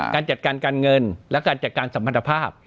การจัดการการเงินและการจัดการสัมพันธภาพ